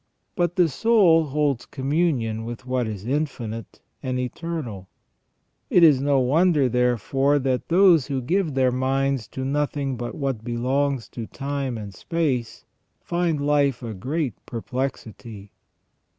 But the soul holds communion with what is infinite and eternal. It is no wonder, therefore, that those who give their minds to nothing but what belongs to time and space find life a great perplexity.